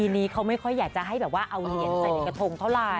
ทีนี้เขาไม่ค่อยอยากจะให้แบบว่าเอาเหรียญใส่ในกระทงเท่าไหร